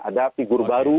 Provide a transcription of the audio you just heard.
ada figur baru